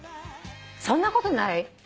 そんなことない？